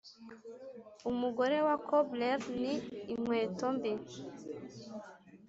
umugore wa cobbler ni inkweto mbi.